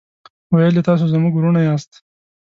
ویل یې تاسو زموږ ورونه یاست.